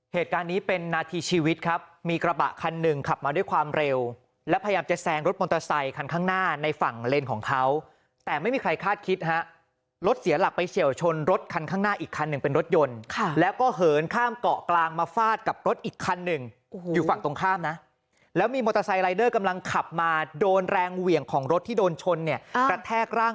เหตุการณ์นี้เป็นนาทีชีวิตครับมีกระบะคันหนึ่งขับมาด้วยความเร็วและพยายามจะแซงรถมอเตอร์ไซคันข้างหน้าในฝั่งเลนของเขาแต่ไม่มีใครคาดคิดฮะรถเสียหลักไปเฉียวชนรถคันข้างหน้าอีกคันหนึ่งเป็นรถยนต์แล้วก็เหินข้ามเกาะกลางมาฟาดกับรถอีกคันหนึ่งอยู่ฝั่งตรงข้ามนะแล้วมีมอเตอร์ไซรายเดอ